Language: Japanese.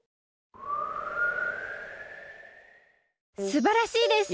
すばらしいです！